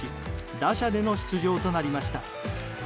打者での出場となりました。